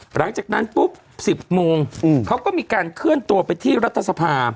หลังจากนั้นปุ๊บ๑๐โมงเขาก็มีการเคลื่อนตัวไปที่รัฐสภา